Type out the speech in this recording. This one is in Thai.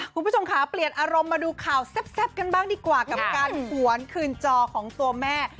คุณผู้ชมค่ะเปลี่ยนอารมณ์มาดูข่าวแซ่บกันบ้างดีกว่ากับการหวนคืนจอของตัวแม่